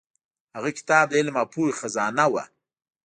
هغه کتاب د علم او پوهې خزانه وه.